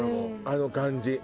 あの感じ。